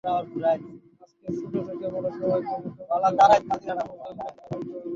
আজকে ছোট থেকে বড়—সবাই মুখে মুখেই অনেক দূর পর্যন্ত গুনে ফেলতে পারে।